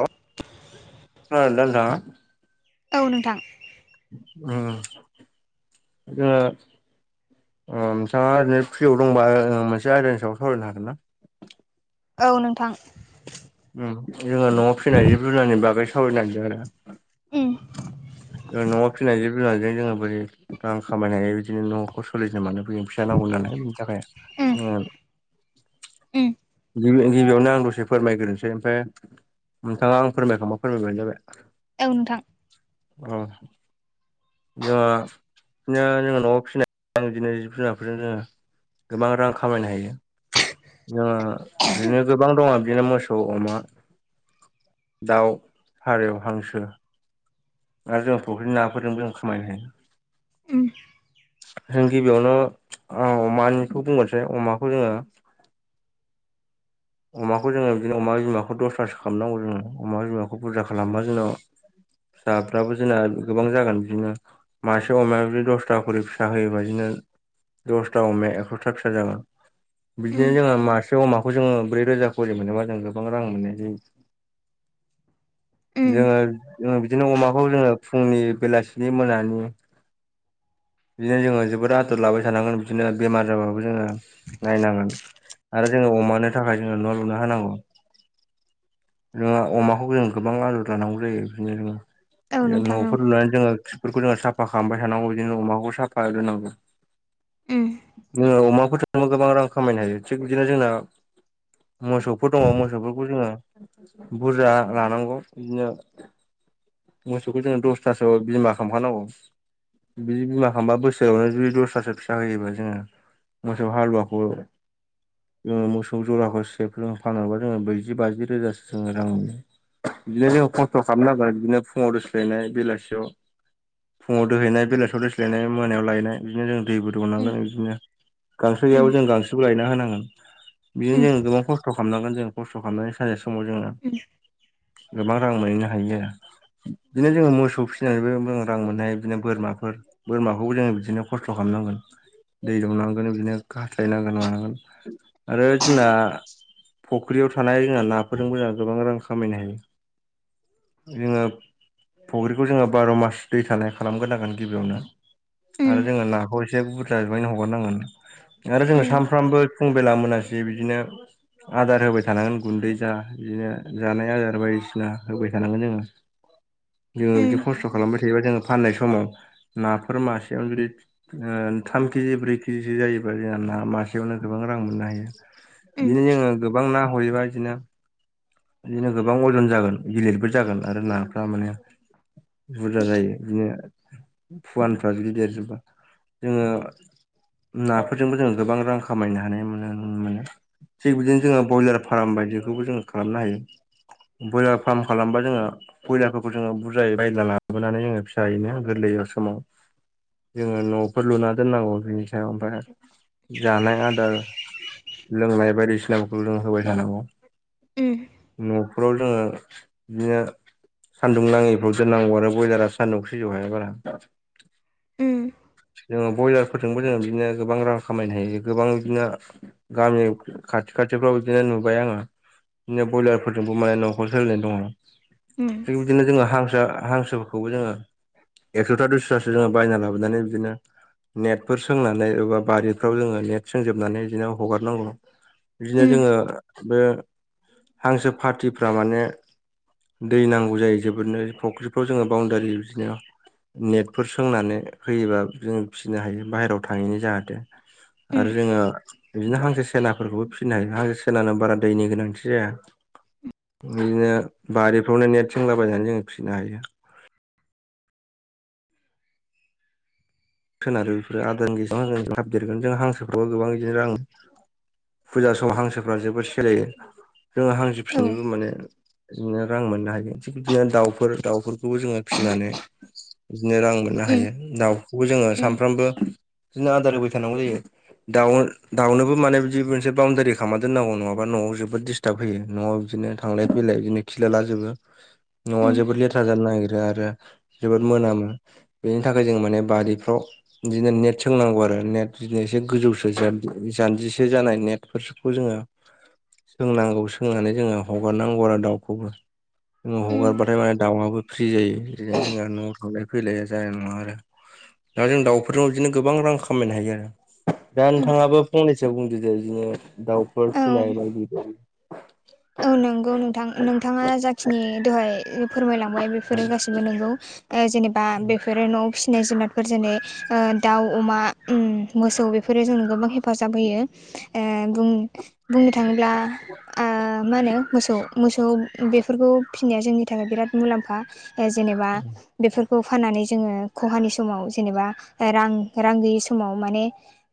[inaudible] खोनादोना नोंथाङा। औ नोंथां। उम जोङो अ नोंथाङा ओरै फ्रियाव दंबा जों मोनसे आयदानि सायाव सावरायनो हागोन ना? औ नोंथां। उम जोङो न'आव फिनाय जिब- जुुनारनि बागै सावरायनागिरदों आरो। उम। ओ न'आव फिनाय जिब-जुनारजों जोङो बोरै रां खामायनो हायो बिदिनो न'खौ सोलिनो मोनो। फिसा नांगौ नालाय बिनि थाखाय उम ओ उम गिबि गिबियावनो आं दसे फोरमायग्रोनोसै ओमफ्राय नोंथाङा आं फोरमायखांबा फोरमायबानो जाबाय। औ नोंथां। औ जोङो बिनि जोङो न'आव फिसिनाय बिदिनो जिब जुनारफोरजों जोङो गोबां रां खामायनो हायो। जोङा बिदिनो गोबां दङ' बिदिनो मोसौ, अमा दाउ, फारेव, हांसो आरो जों फुख्रिनि नाफोरजोंबो जों खामायनो हायो। उम जों गिबियावनो ओ अमानिखौ बुंगोनसै अमाखौ जोङो अमाखौ जोङो बिदिनो अमा बिमाखौ दसथासो खालामनांगौ जोङो अमा बिमाखौ बुरजा खालामबा जोंनाव साफ्राबो जोंना गोबां जागोन बिदिनो मासे अमाया जुदि दसथा खरि फिसा होयोबा बिदिनो दसथा अमाया एकस'था फिसा जागोन उम बिदिनो जोङो मासे अमाखौ जोङो ब्रै रोजा खरि मोनोबा जों गोबां रां मोननाय जायो। उम जोङो बिदिनो अमाखौ जोङो फुंनि, बेलासिनि, मोनानि बिदिनो जोङो जोबोर आदर लाबाय थानांगोन बिदिनो बेमार जाबाबो जोङो नायनांगोन। आरो जोङो अमानो थाखाय जोङो न' लुना होनांगौ जोङो अमाखौ जों गोबां आ लानांगौ जायो बिदिनो औ जों नोंथां औ न'फोर लुनानै जोंङो खि बेफोरखौ जों साफा खालामबाय थानांगौ बिदिनो अमाखौ साफा दोननांगौ। उम जोङो अमाफोर थांबा गोबां रां खामायनो हायो थिग बिदिनो जोंना मोसौफोर दङ' मोसौफोरखौ जोङो बुरजा लानांगौ बिदिनो मोसौखौ जोङो दसथासो बिमा खालामखानांगौ। बिदि बिमा खालामबा बोसोरावनो जुदि दसथासो फिसा होयोबा जोङो मोसौ हालुवाखौ जोङो मोसौ सौ जराखौ [unintelligible] फानोबा जोङो ब्रैजि बाजि रोजासो जोङो रां बिदिनो जों खस्थ' खालामनांगोन बिदिनो फुङाव दोस्लायनाय बेलासियाव फुङाव दोहैनाय बेलासियाव दोस्लायनाय मोनायाव लायनाय। बिदिनो जों दैबो उम दौनांगोन बिदिनो गांसो उम गैयाबो जों गांसोखौ लायना होनांगोन। बिदिनो उम जोङो गोबां खस्थ' खालामनांगोन जों खस्थ' खालामनानै सानसे समाव जोङो उ गोबां रां मोनहैनो हायो आरो बिदिनो जोङो मोसौ सौ फिसिनानैबो जों रां मोन हायो उम बिदिनो बोरमाफोर बोरमाखौबो जोङो बिदिनो खस्थ' खालामनांगोन दै दौनांगोन बिदिनो खास्लायनांगोन मानांगोन। आरो जोंना फख्रियाव थानाय जोंहा नाफोरजोंबो जोंहा गोबां रां खामायनो हायो। जोङो फुख्रिखौ जोङो बार' मास दै थानाय खालामग्रोनांगोन गिबियावनो। आरो जोङो नाखौ एसे बुरजा बुरजानो हगारनांगोन आरो जोङो उम सानफ्रामबो फुं बेला मोनासि बिदिनो आदार होबाय थानांगोन गुन्दै जा बिदिनो जानाय आदार बायदिसिना होबाय थानांगोन जोङो [inaudible] जोङो बिदि उम उम औ उम खस्थ' खालामबाय थायोबा जोङो फाननाय समाव नाफोर मासेयावनो जुदि थाम केजि ब्रै केजिसो जायोबा जोंना ना मासेयावनो गोबां रां मोननो हायो उम बिदिनो जोङो गोबां ना हरैबा बिदिनो बिदिनो गोबां अजन जागोन गिलिरबो जागोन आरो नाफोरा माने बुरजा जायो बिदिनो फुवानफ्रा जुदि देरजोबा जोङो नाफोरजोंबो जों गोबां रां खामायनो हायो मोनो मोनो थिग बिदिनो जोङो ब्रयलार फार्म बायदिखौबो जोङो खालामनो हायो ब्रयलार फार्म खालामबा जोङो बयलारफोरखौ जोङो बुरजायै बायला लाबोनानै जोङो फिसायैनो गोरलै समाव जोङो न'फोर लुना दोननांगौ बिनि सायाव ओमफ्राय आरो जानाय आदार लोंनाय बायदिसिनाफोरखौ जों होबाय थानांगौ नखराव जोंङो बिदिनो सान्दुं नाङिफ्राव दोननांगौ आरो बयलारा सान्दुं सैज हाया बारा जोङो बयलारफोरजोंबो जोङो बिदिनो गोबां रां खामायनो हायो गोबां बिदिनो गामिनि खाथि खाथिफ्राव बिदिनो नुबाय आङो बिदिनो बयलारफोरजोंबो माने न'खर सोलिनाय दङ थिग बिदिनो जोङो हांसो हांसोफोरखौबो जोङो एकस'था दुइस'थासो जोङो बायना लाबोनानै बिदिनो नेटफोर सोंनानै एबा बारिफ्राव जोङो नेट सोंजोबनानै बिदिनो हगारनांगौ बिदिनो जोङो बे हांसो पार्टिफ्रा माने दै नांगौ जायो जोबोरनो फुख्रिफ्राव जोङो बाउणडारि बिदिनो नेटफोर सोंनानै होयोबा जोंङ फिनो हायो बाहेरायाव थाङैनो जाहाथे आरो जोङो बिदिनो हांसो सेनाफोरखौबो फिनो हायो हांसो सेनानो बारा दैनि गोनांथि जाया बिदिनो बारिफ्रावनो नेट सोंलाबायनानै जोंङो फिसिनो हायो सोनारो बेफोर आदां गेसेां हां हाबदेरगोन जों हांसोफ्रावबो गोबां बिदिनो राङो फुजा समाव हांसोफ्रा जोबोद सलियो जोङो हांसो फिनोबो माने बिदिनो रां मोननो हायो थिग बिदिनो दाउफोर दाउफोरखौबो जोङो फिसिनानै बिदिनो रां मोननो हायो दाउखौबो जोङो सानफ्रामबो बिदिनो आदार होबाय थानांगौ जायो दाव दावनोबो माने बिदि मोनसे बाउनडारि खालामा दोन्नांगौ नङाबा न'आव जोबोद खिथाब होैयो न'आव बिदिनो थांलाय फैलाय बिदिनो खिलालाजोबो न'आ जोबोद लेथ्रा जानो नागिरो आरो जोबोद मोनामो बेनि थाखाय जों माने बारिफ्राव बिदिनो नेट सोंनांगौ आरो नेट बिदिनो एसे गोजौसो जान्जिसे जानाय नेटफोर सो बेखौ जोङो सोंनांगौ सोंनानै जोङो हगारनांगौ आरो दाउखौबो जोङो उम हगारबाथाय माने दाउआबो फ्रि जायो बिदिनो जोंहा न'आव थांलाय फैलाया जानाय नङा आरो दा जों दाउफोरनाव बिदिनो गोबां रां खामायनो हायो आरो दा उम नोंथाङाबो फंनैसो बुंदो दे बिदिनो दाउफोर औ फिसिनाय बायदि औ नंगौ नोंथां नोंथाङा जाखिनि दहाय फोरमायलांबाय बेफोरो बायदि। गासिबो नंगौ जेनेबा बेफोर न'आव फिसिनाय जुनाद फोर जेनै दाउ अमा मोसौ बेफोरो जोंनो गोबां हेफाजाब होयो ए बुं बुंनो थाङोब्ला आ होनो मोसौ मोसौ बेफोरखौ फिसिनाया जोंनि थाखाय बिराद मुलाम्फा जेनेबा बेफोरखौ फाननानै जोङो खहानि समाव जेनेबा रां रां गैयि समाव माने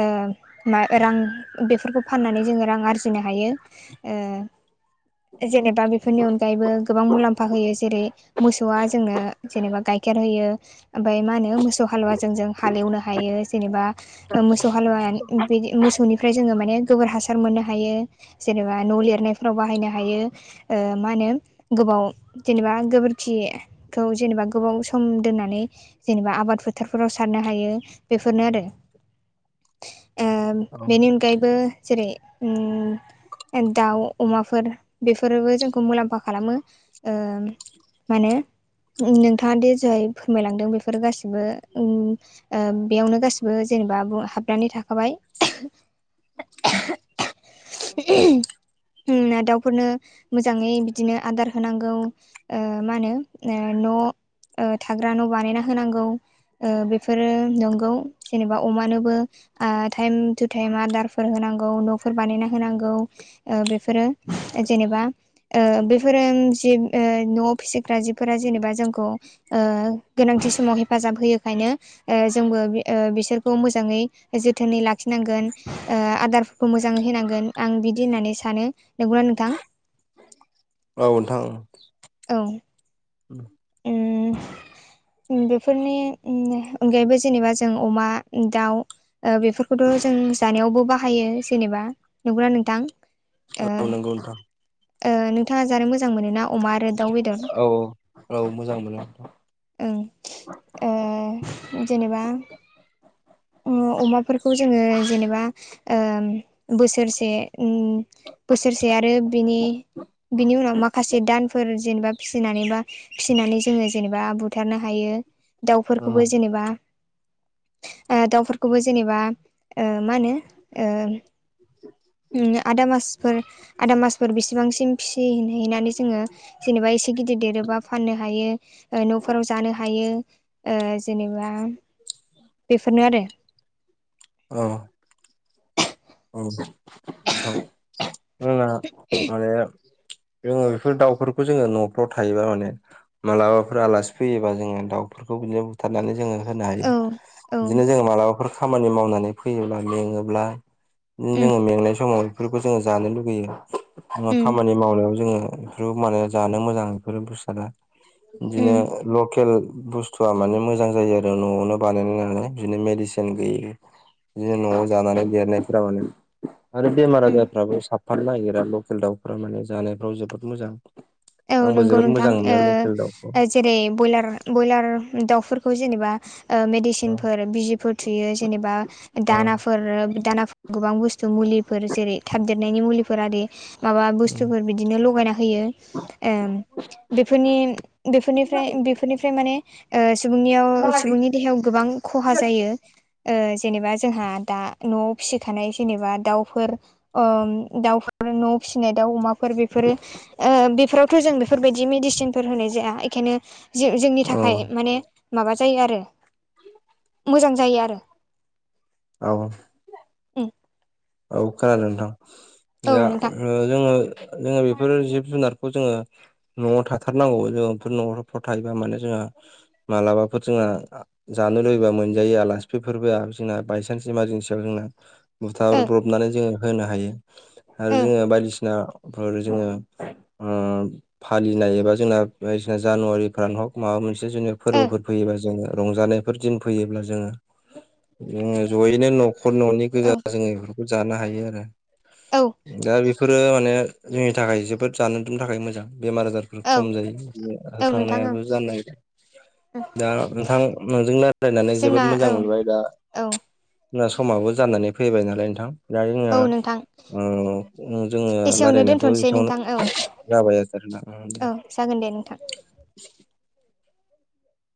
ओ मा रां बेफोरखौ फाननानै जोङो रां आरजिनो हायो ओ जेनेबा बेफोरनि अनगायैबो गोबां मुलाम्फा होयो जेरै मोसौआ जोंनो जेनेबा गाइखेर होयो ओमफ्राय मा होनो मोसौ हालुवाजों जों हाल एवनो हायो जेनेबा मोसौ हालुवा बिदि मोसौनि ओमफ्राय जोङो माने गोबोर हासार मोननो हायो जेनेबा न' लिरनायफोराव बाहायनो हायो ओ मा होनो गोबाव जेनेबा गोबोरखि खौ जेनेबा गोबाव सम दोननानै जेनेबा आबाद फोथारफोराव सारनो हायो बेफोरनो आरो [inaudible] ओ बेनि अनगायैबो जेरै उम दाउ अमाफोर बेफोरबो जोंखौ मुलाम्फा खालामो ओ मा होनो नोंथाङा दे जोय फोरमायलांदों बेफोर गासिबो उम ओ बेयावनो गासैबो जेनेबा हाबनानै थाखाबाय [inaudible] [inaudible] उम ना दाउफोरनो मोजाङै बिदिनो आदार होनांगौ ओ‌ मा होनो न' थाग्रा न' बानायना होनांगौ ओ बेफोरो नंगौ जेनेबा अमानोबो आ टाइम टु टाइम आदारफोर होनांगौ न'फोर बानायना होनांगौ ओ बेफोरो जेनेबा ओ बेफोरो जिब ओ न'वाव फिसिग्रा जिफोरा जेनेबा जोंखौ ओ गोनांथि समाव हेफाजाब होयोखायनो ओ जोंबो ओ बिसोरखौ मोजाङै जोथोनै लाखिनांगोन ओ आदारफोरखौ मोजाङै होनांगोन आं बिदि होननानै सानो नंगौना नोंथां? औ नोंथां उम औ [inaudible] उम बेफोरनि अनगायैबो जेनेबा जों अमा दाउ ओ बेफोरखौथ' जों जानायावबो बाहायो जेनेबा नंगौना नोंथां? ओ औ नंगौ नोंथां ओ नोंथाङा जानो मोजां मोनोना अमा आरो दाउ बेदर औ औ मोजां मोनो नोंथां ओं ओ जेनेबा अमाफोरखौ जोङो जेनेबा ओम बोसोरसे उम बोसोरसे आरो बिनि बिनि उनाव माखासे दानफोर जेनेबा फिसिनानै बा फिसिनानै जोङो जेनेबा बुथारनो हायो दाउफोरखौबो जेनेबा ओ दाउफोरखौबो जेनेबा ओ मा होनो ओ उम आदा मासफोर आदा मासफोर बेसिबांसिम फिसि हैनानै जोङो जेनेबा एसे गिदिर देरोबा फाननो हायो ओ न'फोराव जानो हा यो जेनेबा बेफोरनो आरो अ औ नोंथां जोंना माने [inaudible] जोङो बेफोर दाउफोरखौ जोङो न'फ्राव थायोबा माने मालाबाफोर आलासि फैयोबा जोङो दाउफोरखौ बिदिनो बुथारनानै जोङो होनो हायो औ औ बिदिनो जों मालाबाफोर खामानि मावनानै फैयोब्ला मेङोब्ला [unintelligible] जोङो उम मेंनाय समाव बेफोरखौ जोङो जानो लुुबैयो जोङो उम खामानि मावनायाव जोङो बे माने जानो मोजां बेफोरो बुसादा [unintelligible] उम बिदिनो ल केल बुसथुआ माने मोजां जायो आरो न'वावनो बानायनाय नालाय बिदिनो मेडिसिन गैयि बिदिनो न'वाव जानानै देरनायफोरा माने आरो बेमार उम आजारफ्राबो सा फानो नागिरा लकेल दाउफोरा माने जानायफ्राव जोबोद मोजां औ आंबो नंगौ जोबोद नोंथां मोजां ओ मोनो लकेल दाउखौ ओ जेरै बयलार ब्रयलार दाउफोरखौ जेनेबा मेदिसिनफोर बिजिफोर थुयो जेनेबा औ दाना फोर दाना गोबां बुसथु मुलिफोर जेरै थाबदेरनायनि मुलिफोर आरि माबा बुसथुफोर बिदिनो लगायना होयो ओम बेफोरनि बेफोरनिफ्राय बेफोरनिफ्राय माने ओ सुबुंनियाव सुबुंनि देहायाव गोबां खहा जायो ओ जेनेबा जोंहा दा न'आव फिसिखानाय जेनेबा दाउफोर ओम दाउफोर न' फिसिनाय दाउ अमाफोर ओ बेफोरो बेफोराव थ' जों बेफोरबायदि मेडिसिनफोर होनाय जाया बेखायनो ज जोंनि थाखाय माने माबा जायो आरो मोजां जायो आरो औ उम औ खोनादों नोंथां औ नोंथां जोङो जोङो बेफोर जिब जुनारखौ जोङो न'आव थाथारनांगौ जोङो बेफोर न'फोर थायोबा माने जोहा मालाबाफोर जोंहा जानो लुबैबा मोनजायो आलासिफोरआ जोंना बायसान्स इमारजेन्सियाव जोंना ओ सारब्रबनानै जोङो होनो हायो आरो ओ जोङो बायदिसिना बे जोङो फालिनाय एबा जोंना बायदिसिना जानुवारिफोरानो हग माबा मोनसे जोंनि ओ फोरबोफोर फैयोबा जोङो रंजानो बेफोर दिन फैयोब्ला जोङो जो जयैनो न'खर न'नि औ गोजा जोङो बेफोरखौ जानो हायो आरो औ दा बेफोरो माने जोंनि थाखाय जोबोद जानायनि थाखाय मोजां बेमार आजारफोर औ खम जायो औ नोंथां ओं होखांनायाबो जानाय ओं दा नोंथां नोंजों रायज्लायनानै जोंना जोबोद मोजां औ मोनबाय दा औ जोंना समाबो जानानै फैबाय नालाय नोंथां दायो जोङो औ नोंथां जोङो एसेयावनो रायलायनायखौ दोनथ'नोसै एसेांनो नोंथां औ लाबाय आरोना औ जागोन दे नोंथां